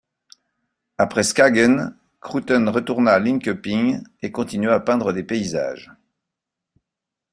Après Skagen, Krouthén retourna à Linköping et continua à peindre des paysages.